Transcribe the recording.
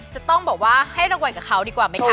จะต้องบอกว่าให้รางวัลกับเขาดีกว่าไหมคะ